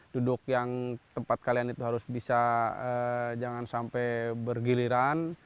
duduk yang tempat kalian itu harus bisa jangan sampai bergiliran